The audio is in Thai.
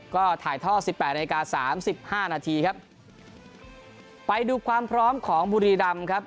ก็ถ่ายท่อ๑๘นาฬิกา๓๕นาทีครับไปดูความพร้อมของบุรีดำครับ